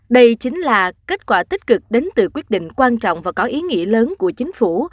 đây chính là kết quả tích cực đến từ quyết định quan trọng và có ý nghĩa lớn của chính phủ